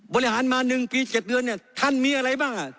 บริหารมาหนึ่งปีเจ็ดเยือนเนี้ยท่านมีอะไรบ้างอ่ะ